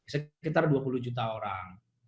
sekitar dua puluh juta orang